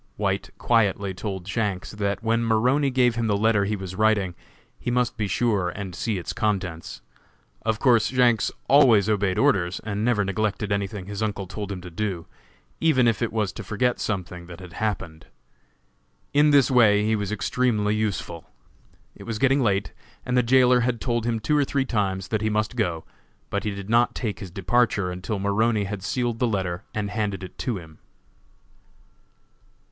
White quietly told Shanks that when Maroney gave him the letter he was writing, he must be sure and see its contents. Of course Shanks always obeyed orders, and never neglected anything his uncle told him to do, even if it was to forget something that had happened. In this way he was extremely useful. It was getting late, and the jailer had told him two or three times that he must go, but he did not take his departure until Maroney had sealed the letter and handed it to him.